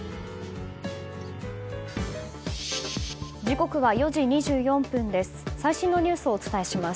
時刻は４時２４分です。